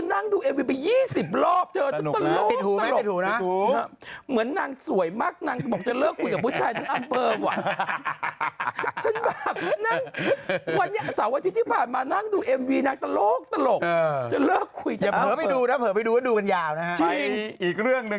มันมีเพลงอีสานอีกเพลงนึงที่ตอนนี้เป็นคนเลย